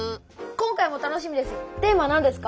今回も楽しみです。